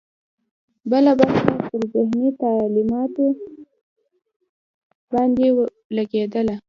بله برخه پر مذهبي تعلیماتو باندې لګېدله.